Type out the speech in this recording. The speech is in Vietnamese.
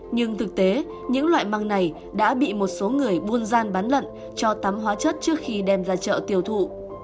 nhưng thực tế những loại măng này đã bị một số người buôn gian bán lận cho tắm hóa chất trước khi đem ra chợ tiêu thụ